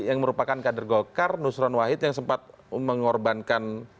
yang merupakan kader golkar nusron wahid yang sempat mengorbankan